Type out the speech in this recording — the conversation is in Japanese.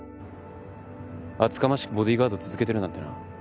厚かましくボディーガード続けてるなんてな。